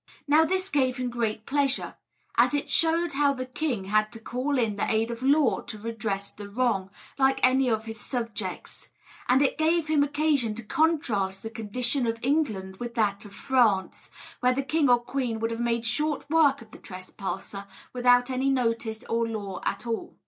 Now this gave him great pleasure, as it showed how the king had to call in the aid of the law to redress a wrong, like any of his subjects; and it gave him occasion to contrast the condition of England with that of France, where the king or queen would have made short work of the trespasser, without any notice or law at all.